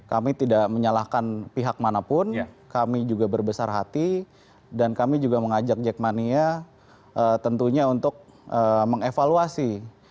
kami tidak menyalahkan pihak manapun kami juga berbesar hati dan kami juga mengajak jackmania tentunya untuk mengevaluasi